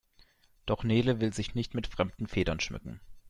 Doch Nele will sich nicht mit fremden Federn schmücken.